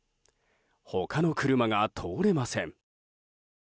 他の車が通れません。